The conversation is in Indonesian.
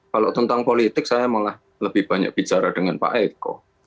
kalau tentang politik saya malah lebih banyak bicara dengan pak eko